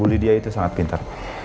bu lydia itu sangat pintar